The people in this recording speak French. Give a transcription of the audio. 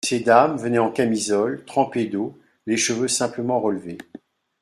Ces dames venaient en camisole, trempées d'eau, les cheveux simplement relevés.